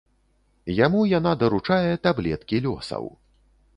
Яму яна даручае таблеткі лёсаў.